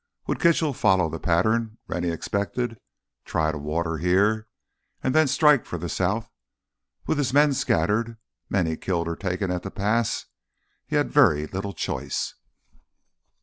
Would Kitchell follow the pattern Rennie expected—try to water here? And then strike for the south? With his men scattered, many killed or taken at the pass, he had very little choice.